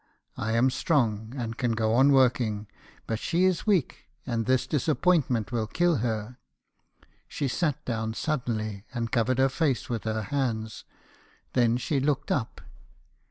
I am strong, and can go on working; but she is weak, and this disappointment will kill her.' She sat down suddenly, and covered her face with her hands. Then she looked up.